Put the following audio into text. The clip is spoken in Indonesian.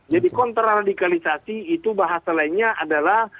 jadi kontra radikalisasi itu bahasa lainnya adalah